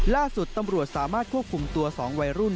ล่าสุดตำรวจสามารถควบคุมตัว๒วัยรุ่น